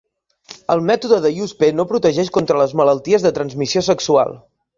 El mètode de Yuzpe no protegeix contra les malalties de transmissió sexual.